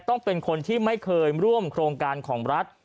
ต้องเป็นคนที่ไม่เคยร่วมโครงการของรัฐ